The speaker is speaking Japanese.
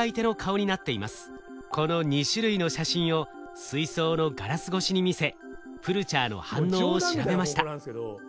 この２種類の写真を水槽のガラス越しに見せプルチャーの反応を調べました。